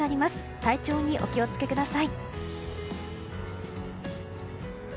体調にお気を付けください。